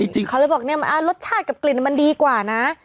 ใช่เขาบอกว่ารสชาติกับกลิ่นมันดีกว่าน่ะ